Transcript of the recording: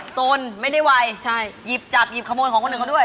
สนไม่ได้ไวใช่หยิบจับหยิบขโมยของคนอื่นเขาด้วย